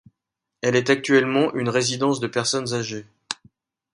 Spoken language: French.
Elle est actuellement une résidence de personnes âgées.